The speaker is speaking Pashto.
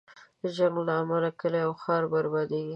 د جنګ له امله کلی او ښارونه بربادېږي.